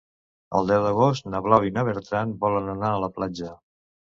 El deu d'agost na Blau i na Berta volen anar a la platja.